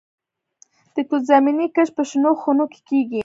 د توت زمینی کښت په شنو خونو کې کیږي.